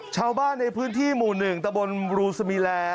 ชาวบ้านในพื้นที่หมู่๑ตะบนรูสมีแล